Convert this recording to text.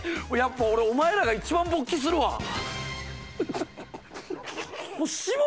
やっぱ俺お前らが一番勃起するわ。